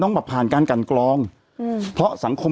แต่หนูจะเอากับน้องเขามาแต่ว่า